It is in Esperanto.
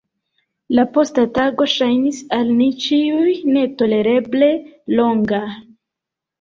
La posta tago ŝajnis al ni ĉiuj netolereble longa.